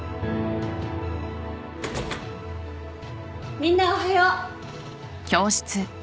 みんなおはよう。